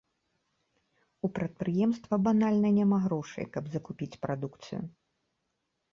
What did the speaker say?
У прадпрыемства банальна няма грошай, каб закупіць прадукцыю.